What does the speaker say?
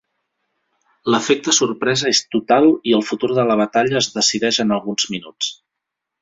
L'efecte sorpresa és total i el futur de la batalla es decideix en alguns minuts.